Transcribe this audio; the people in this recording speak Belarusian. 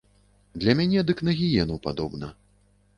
Для мяне дык на гіену падобна.